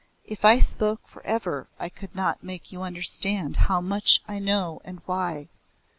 If I spoke for ever I could not make you understand how much I know and why.